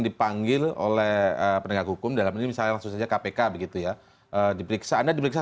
dipanggil oleh pendengar hukum dalam misalnya susahnya kpk begitu ya diperiksa anda diberikan